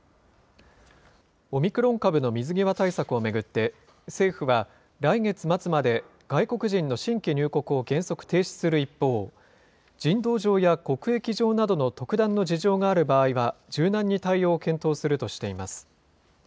オミクロン株の水際対策を巡って、政府は来月末まで、外国人の新規入国を原則停止する一方、人道上や国益上などの特段の事情がある場合は、柔軟に対応を検討するとしています。